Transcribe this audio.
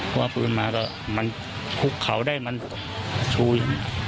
คว่าปืนมาแล้วมันคุกเข่าได้มันช่วย